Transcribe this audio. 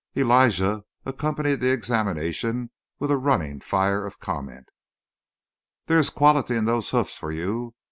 Elijah accompanied the examination with a running fire of comment. "There is quality in those hoofs, for you!